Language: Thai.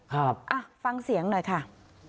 ครับอ่ะฟังเสียงหน่อยค่ะ